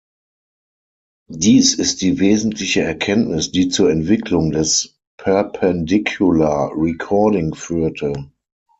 Dies ist die wesentliche Erkenntnis, die zur Entwicklung des Perpendicular Recording führte.